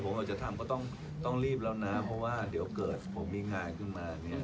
ผมเราจะทำก็ต้องรีบแล้วนะเพราะว่าเดี๋ยวเกิดผมมีงานขึ้นมาเนี่ย